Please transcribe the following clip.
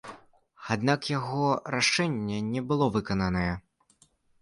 Аднак яго рашэнне не было выкананае.